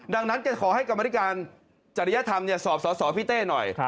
ดังนั้นแกขอให้กรรมธิการจริยธรรมสอบสอสอพี่เต้หน่อย